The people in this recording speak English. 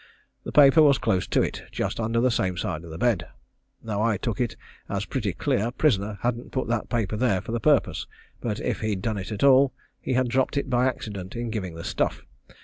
The paper was close to it, just under the same side of the bed. Now I took it as pretty clear prisoner hadn't put that paper there for the purpose, but if he'd done it at all, he had dropped it by accident in giving the stuff.